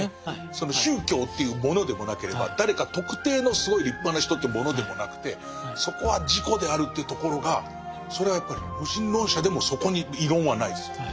その宗教というものでもなければ誰か特定のすごい立派な人ってものでもなくてそこは自己であるというところがそれはやっぱり無神論者でもそこに異論はないです。